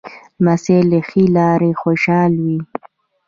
لمسی له ښې لاره خوشحاله وي.